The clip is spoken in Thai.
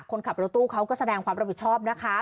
คนขับรถตู้เขาก็แสดงความรับผิดชอบนะคะ